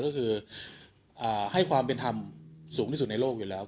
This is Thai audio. ก็คือให้ความเป็นธรรมสูงที่สุดในโลกอยู่แล้ว